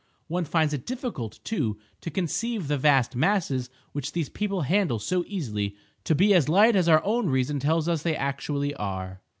One finds it difficult, too, to conceive the vast masses which these people handle so easily, to be as light as our own reason tells us they actually are.